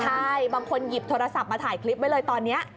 ใช่บางคนหยิบโทรศัพท์มาถ่ายคลิปไว้เลยตอนนี้